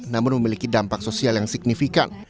namun memiliki dampak sosial yang signifikan